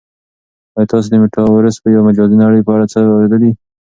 آیا تاسو د میټاورس یا د مجازی نړۍ په اړه څه اورېدلي؟